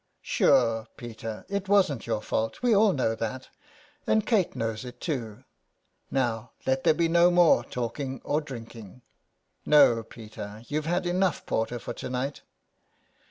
*' Sure, Peter, it wasn't your fault ; we all know that, and Kate knows it too. Now let there be no more talking or drinking. No, Peter, youVe had enough porter for to night."